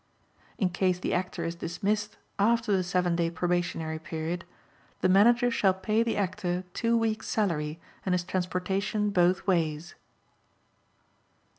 In case the Actor is dismissed after the seven day probationary period, the Manager shall pay the Actor two weeks' salary and his transportation both ways.